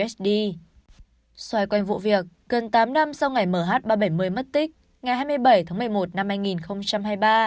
xoay quanh vụ việc gần tám năm sau ngày mh ba trăm bảy mươi mất tích ngày hai mươi bảy tháng một mươi một năm hai nghìn hai mươi ba